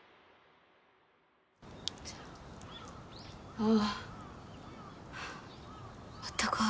あああったかい